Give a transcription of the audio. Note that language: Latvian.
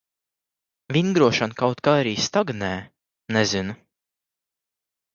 Vingrošana kaut kā arī stagnē. Nezinu...